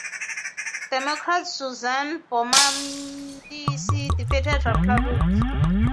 Democrat Suzanne Bonamici defeated Republican challenger Rob Cornilles to win this special election.